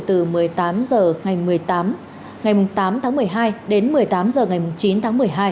từ một mươi tám h ngày tám tháng một mươi hai đến một mươi tám h ngày chín tháng một mươi hai